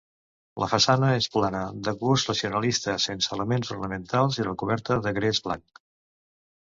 La façana és plana, de gust racionalista, sense elements ornamentals i recoberta de gres blanc.